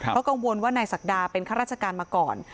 เพราะกังวลว่านายศักดาเป็นข้าราชการมาก่อน